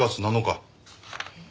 えっ？